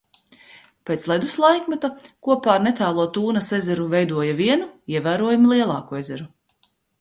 Pēc ledus laikmeta kopā ar netālo Tūnas ezeru veidoja vienu, ievērojami lielāku ezeru.